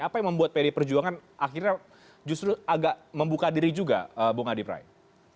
apa yang membuat pdi perjuangan akhirnya justru agak membuka diri juga bung adi prai